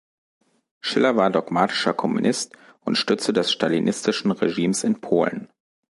Schiller war dogmatischer Kommunist und Stütze des stalinistischen Regimes in Polen.